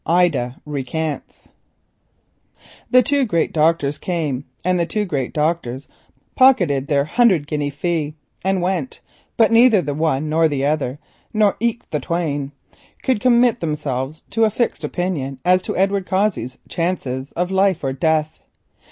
IDA RECANTS The two great doctors came, and the two great doctors pocketed their hundred guinea fees and went, but neither the one nor the other, nor eke the twain, would commit themselves to a fixed opinion as to Edward Cossey's chances of life or death.